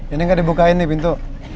ini nggak dibukain nih pintu